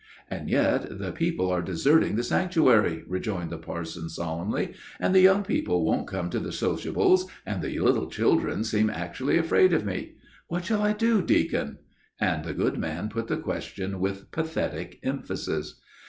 "And yet the people are deserting the sanctuary," rejoined the parson solemnly, "and the young people won't come to the sociables, and the little children seem actually afraid of me. What shall I do, deacon?" and the good man put the question with pathetic emphasis.